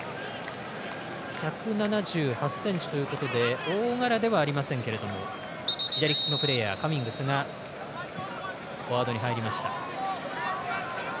１７８ｃｍということで大柄ではありませんけども左利きのプレーヤーカミングスがフォワードに入りました。